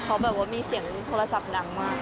เขาแบบว่ามีเสียงโทรศัพท์ดังมาก